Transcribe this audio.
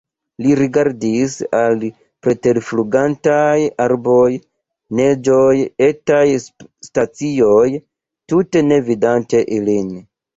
Li rigardis al preterflugantaj arboj, neĝoj, etaj stacioj, tute ne vidante ilin.